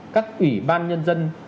các ủy ban nhân dân